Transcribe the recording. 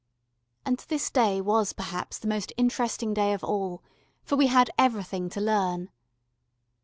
And this day was perhaps the most interesting day of all for we had everything to learn.